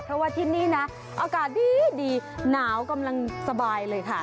เพราะว่าที่นี่นะอากาศดีหนาวกำลังสบายเลยค่ะ